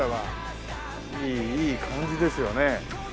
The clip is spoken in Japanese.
いいいい感じですよね。